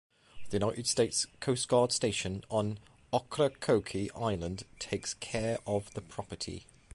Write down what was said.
The United States Coast Guard station on Ocracoke Island takes care of the property.